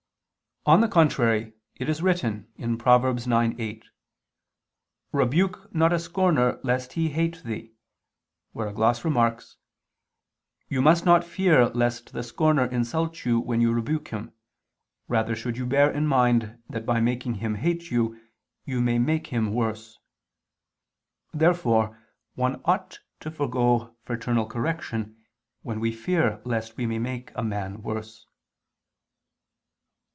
On the contrary, It is written (Prov. 9:8): "Rebuke not a scorner lest he hate thee," where a gloss remarks: "You must not fear lest the scorner insult you when you rebuke him: rather should you bear in mind that by making him hate you, you may make him worse." Therefore one ought to forego fraternal correction, when we fear lest we may make a man worse.